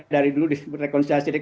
dari dulu rekonsilisasi